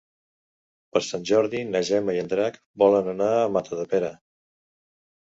Per Sant Jordi na Gemma i en Drac volen anar a Matadepera.